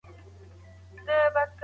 ماشومانو ته د مطالعې عادت ورکړئ.